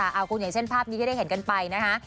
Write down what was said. เอาคุณอย่างเช่นภาพนี้ที่ได้เห็นกันไปนะคะ